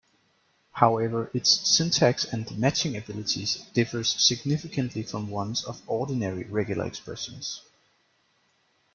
However its syntax and matching abilities differs significantly from ones of ordinary regular expressions.